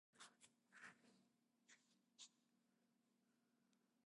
Eastern Orthodox Patriarchs continued to be appointed, but resided in Constantinople.